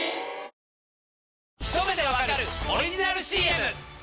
『ひと目でわかる‼』オリジナルＣＭ！